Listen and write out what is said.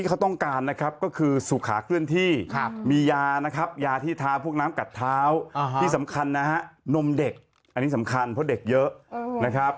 อันนี้สำคัญเพราะเด็กเยอะนะครับ